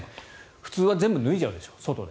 普通は全部脱いじゃうでしょう外で。